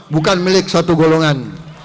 bukan milik satu golongan